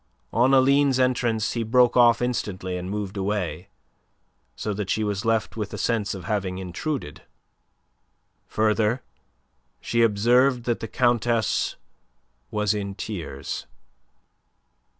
On Aline's entrance he broke off instantly and moved away, so that she was left with a sense of having intruded. Further she observed that the Countess was in tears.